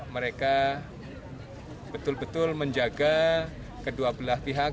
mereka betul betul menjaga kedua belah pihak